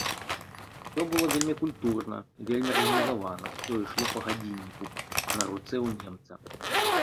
Усё было вельмі культурна, вельмі арганізавана, усё ішло па гадзінніку на руцэ ў немца.